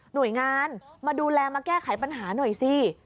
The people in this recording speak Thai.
หน่วยงานมาดูแลมาแก้ไขปัญหาหน่อยสิ